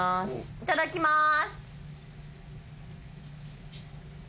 いただきます。